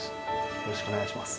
よろしくお願いします。